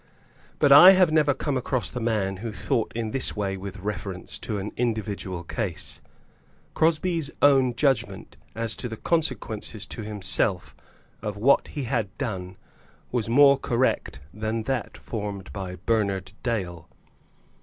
But I have never come across the man who thought in this way with reference to an individual case. Crosbie's own judgment as to the consequences to himself of what he had done was more correct than that formed by Bernard Dale.